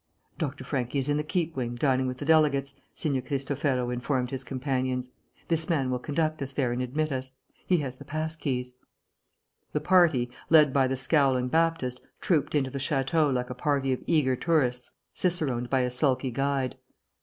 "Dr. Franchi is in the Keep Wing, dining with the delegates," Signor Cristofero informed his companions. "This man will conduct us there and admit us. He has the pass keys." The party, led by the scowling Baptist, trooped into the château like a party of eager tourists ciceroned by a sulky guide.